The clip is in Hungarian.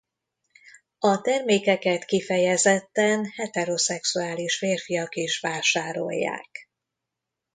A termékeket kifejezetten heteroszexuális férfiak is vásárolják.